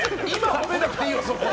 褒めなくていいよ、そこは。